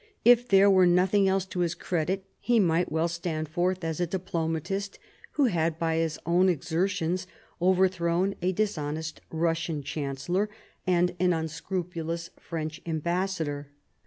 If there were nothing else to his credit he might well stand forth as a diplomatist who had by his own exertions overthrown a dishonest Russian Chancellor and an unscrupulous French Ambassador.